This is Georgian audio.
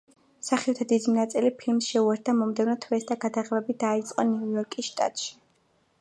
მსახიობთა დიდი ნაწილი ფილმს შეუერთდა მომდევნო თვეს და გადაღებები დაიწყო ნიუ-იორკის შტატში.